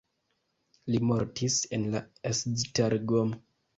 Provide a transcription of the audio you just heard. Li mortis la en Esztergom.